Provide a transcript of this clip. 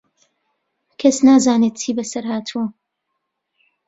کەس نازانێت چی بەسەر هاتووە.